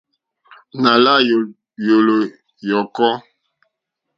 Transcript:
Nà la yòlò yɔ̀kɔ.